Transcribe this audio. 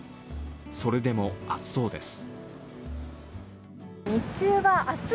それでも暑そうです。